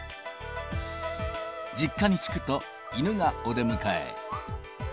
実家に着くと、犬がお出迎え。